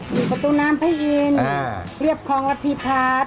มีประตูน้ำพะอินเรียบคลองระพีพาส